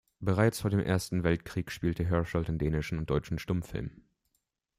Bereits vor dem Ersten Weltkrieg spielte Hersholt in dänischen und deutschen Stummfilmen.